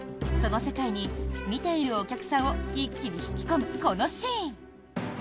その世界に見ているお客さんを一気に引き込むこのシーン。